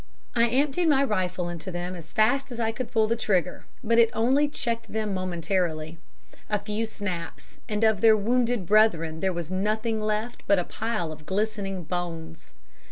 "I emptied my rifle into them as fast as I could pull the trigger, but it only checked them momentarily. A few snaps, and of their wounded brethren there was nothing left but a pile of glistening bones.